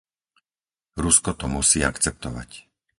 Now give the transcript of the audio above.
Rusko to musí akceptovať.